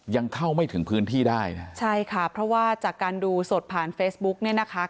ยังเข้าไม่ถึงพื้นที่ได้นะใช่ค่ะเพราะว่าจากการดูสดผ่านเฟซบุ๊กเนี่ยนะคะ